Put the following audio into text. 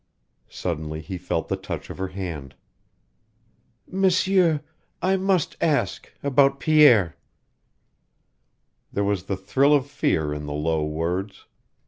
Suddenly he felt the touch of her hand. "M'sieur, I must ask about Pierre!" There was the thrill of fear in the low words.